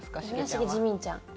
村重ジミンちゃん。